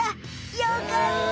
よかった！